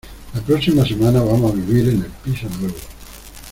La próxima semana vamos a vivir en el piso nuevo.